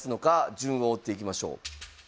順を追っていきましょう。